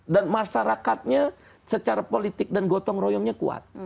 dan masyarakatnya secara politik dan gotong royongnya kuat